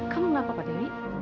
kamu dari mana